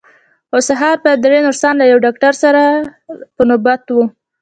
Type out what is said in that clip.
خو سهار به درې نرسان له یوه ډاکټر سره په نوبت وو.